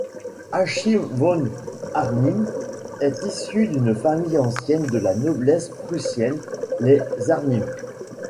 Achim von Arnim est issu d'une famille ancienne de la noblesse prussienne, les Arnim.